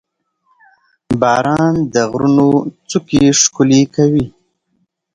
• باران د غرونو څوکې ښکلې کوي.